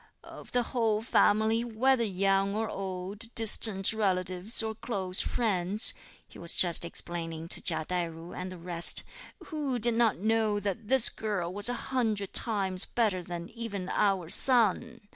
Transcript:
"Of the whole family, whether young or old, distant relatives or close friends," he was just explaining to Chia Tai ju and the rest, "who did not know that this girl was a hundred times better than even our son?